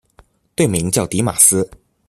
队名叫狄玛斯。